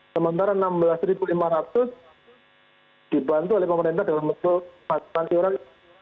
pembelian rp enam belas lima ratus dibantu oleh pemerintah dalam bentuk paham tanti orang